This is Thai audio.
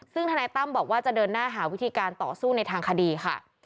ซึ่งธนายตั้มบอกว่าจะเดินหน้าหาวิธีการต่อสู้ในทางคดีค่ะ